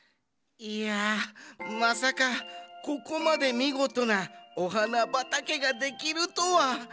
いやまさかここまでみごとなお花ばたけができるとは！